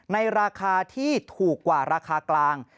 ในราคาที่ถูกกว่าราคากลาง